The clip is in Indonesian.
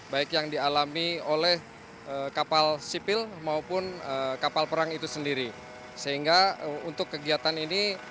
baik yang dialami oleh kapal sipil maupun kapal perang itu sendiri sehingga untuk kegiatan ini